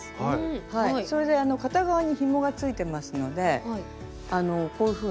それで片側にひもがついてますのでこういうふうに回してですね。